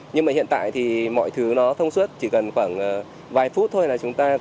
nhưng mà hiện tại thì mọi thứ nó thông suất chỉ cần khoảng vài phút thôi là